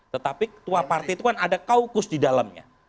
tetapi ketua partai itu kan ada kaukus di dalamnya